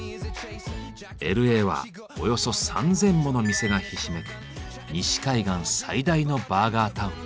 Ｌ．Ａ．はおよそ３，０００もの店がひしめく西海岸最大のバーガータウン。